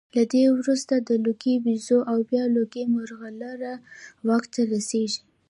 له ده وروسته د لوګي بیزو او بیا لوګي مرغلره واک ته رسېږي